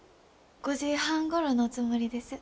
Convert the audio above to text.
５時半ごろのつもりです。